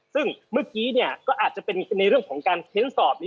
ซึ่งเมื่อกี้ก็อาจจะเป็นในเรื่องของการเค้นสอบ